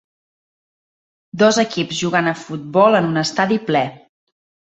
Dos equips jugant a futbol en un estadi ple.